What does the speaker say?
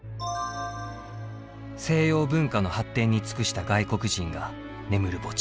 西洋文化の発展に尽くした外国人が眠る墓地。